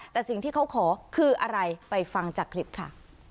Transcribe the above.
แต่สิ่งที่เขาขอคืออะไรไปฟังจากคลิปค่ะ